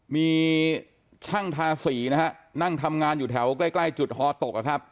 มีช่างทาสีนะฮะนั่งทำงานอยู่แถวใกล้ใกล้จุดฮอตกนะครับ